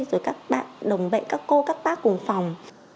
rồi các bạn đồng bệnh các cô các bác cùng phòng